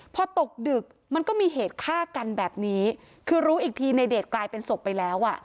พอตกดึกมันก็มีเหตุฆ่ากันแบบนี้คือรู้อีกทีในเดชกลายเป็นศพไปแล้วอ่ะ